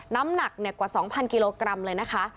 น้ำหนักกว่า๒๐๐กิโลกรัมเลยนะคะ